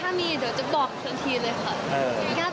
ถ้ามีเดี๋ยวจะบอกทันทีเลยค่ะ